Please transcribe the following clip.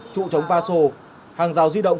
trụ chống va sô hàng rào di động